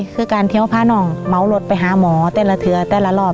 คือการเที่ยวพาน้องเมารถไปหาหมอแต่ละเทือแต่ละรอบ